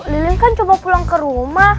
lilin kan cuma pulang ke rumah